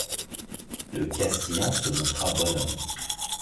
Le Castillan se monstra bon homme.